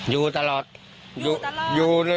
อยู่ตลอดอยู่เลย